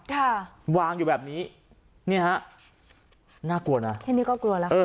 ค่ะวางอยู่แบบนี้นี่ฮะน่ากลัวนะแค่นี้ก็กลัวแล้วเออ